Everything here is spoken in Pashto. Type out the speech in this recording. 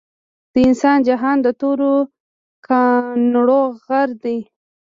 د انسان جهان د تورو کانړو غر دے